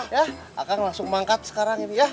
ya akan langsung mangkat sekarang ibu ya